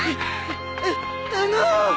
あっあの。